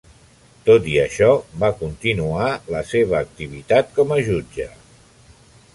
Tot i això, va continuar la seva activitat com a jutge.